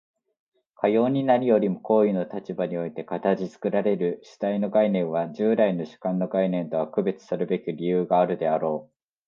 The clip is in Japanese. かように何よりも行為の立場において形作られる主体の概念は、従来の主観の概念とは区別さるべき理由があるであろう。